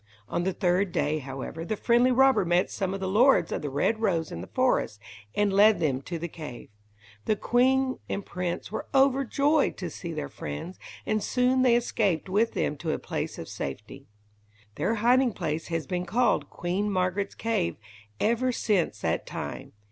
On the third day, however, the friendly robber met some of the lords of the Red Rose in the forest, and led them to the cave. The queen and prince were overjoyed to see their friends, and soon they escaped with them to a place of safety. Their hiding place has been called "Queen Margaret's Cave" ever since that time.